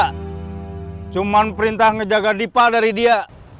saya sudah berusaha menjaga diva dari dia